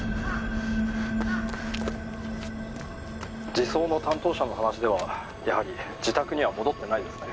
☎児相の担当者の話ではやはり自宅には戻ってないですね